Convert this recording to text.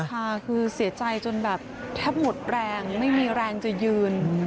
ค่ะคือเสียใจจนแบบแทบหมดแรงไม่มีแรงจะยืน